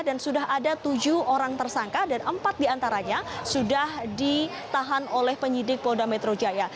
dan sudah ada tujuh orang tersangka dan empat diantaranya sudah ditahan oleh penyidik polda metro jaya